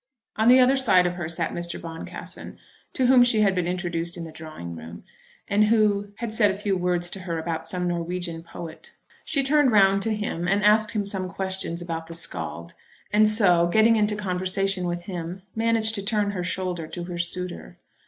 On the other side of her sat Mr. Boncassen, to whom she had been introduced in the drawing room, and who had said a few words to her about some Norwegian poet. She turned round to him, and asked him some questions about the Skald, and so, getting into conversation with him, managed to turn her shoulder to her suitor.